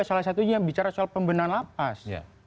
salah satunya bicara soal pembenahan lapas